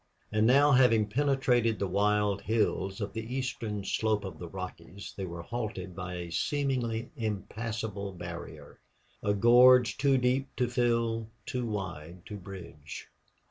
And now, having penetrated the wild hills to the eastern slope of the Rockies they were halted by a seemingly impassable barrier a gorge too deep to fill, too wide to bridge.